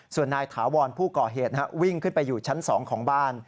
ส่วนนายถาวรผู้ก่อเหตุวิ่งขึ้นไปอยู่ชั้น๒ของบ้าน